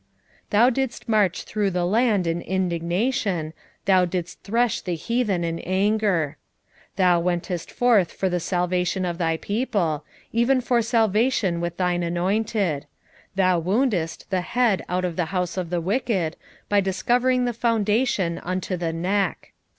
3:12 Thou didst march through the land in indignation, thou didst thresh the heathen in anger. 3:13 Thou wentest forth for the salvation of thy people, even for salvation with thine anointed; thou woundedst the head out of the house of the wicked, by discovering the foundation unto the neck.